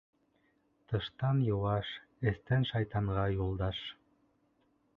Тыштан йыуаш, эстән шайтанға юлдаш.